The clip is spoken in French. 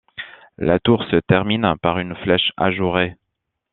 La tour se termine par une flèche ajourée.